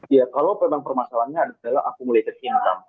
ya kalau memang permasalahannya adalah akumulated income